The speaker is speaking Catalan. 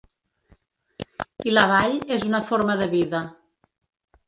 I la vall és una forma de vida.